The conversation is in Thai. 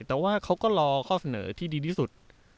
แต่ว่าเขาก็รอข้อเสนอที่ดีที่สุด